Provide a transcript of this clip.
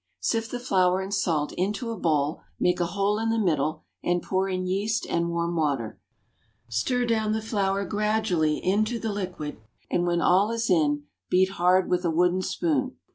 Sift the flour and salt into a bowl, make a hole in the middle and pour in yeast and warm water. Stir down the flour gradually into the liquid, and when all is in, beat hard with a wooden spoon.